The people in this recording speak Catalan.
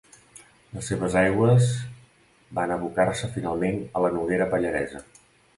Les seves aigües van a abocar-se, finalment, a la Noguera Pallaresa.